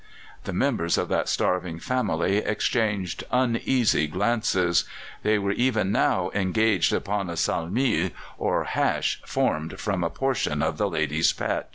The members of that starving family exchanged uneasy glances; they were even now engaged upon a salmi, or hash, formed from a portion of the lady's pet!